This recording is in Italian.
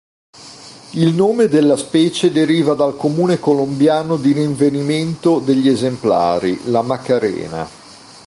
Il nome della specie deriva dal comune colombiano di rinvenimento degli esemplari: La Macarena.